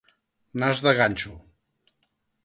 Nas de ganxo.